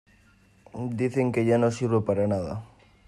Dicen que ya no sirvo para nada.